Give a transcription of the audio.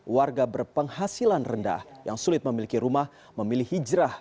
warga berpenghasilan rendah yang sulit memiliki rumah memilih hijrah